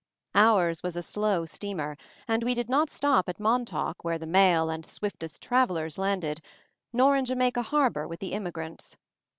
Ours was a slow steamer, and we did not stop at Montauk where the mail and the swiftest travelers landed, nor in Jamaica Harbor with the immigrants.